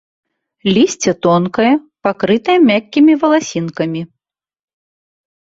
Лісце тонкае, пакрытае мяккімі валасінкамі.